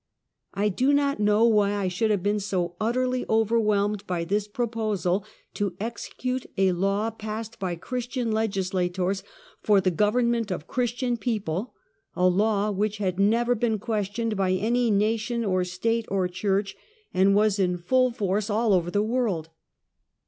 I do not know wh}' I should have been so utterly overwhelmed by this proposal to execute a law passed by Christian legislators for the government of Chris tian people — a law which had never been questioned by any nation, or state, or church, and was in full force all over the world.